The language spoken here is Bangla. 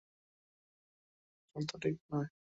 তবুও ভাল লোকের হাতেও এত ক্ষমতা থাকা ঠিক নয়।